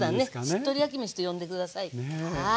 しっとり焼きめしと呼んで下さい。